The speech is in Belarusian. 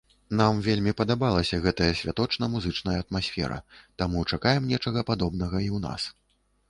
Нам вельмі падабалася гэтая святочна музычная атмасфера, таму чакаем нечага падобнага і ў нас.